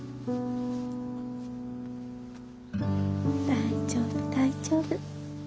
大丈夫大丈夫。